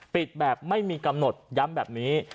ปิดแบบไม่มีกำหนดย้ำแบบนี้